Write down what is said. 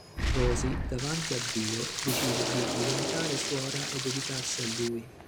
Rosy davanti a Dio decide di diventare suora e dedicarsi a Lui.